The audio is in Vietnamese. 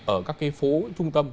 ở các cái phố trung tâm